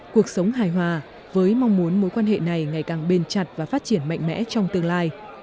cuộc sống hài hòa với mong muốn mối quan hệ này ngày càng bền chặt và phát triển mạnh mẽ trong tương lai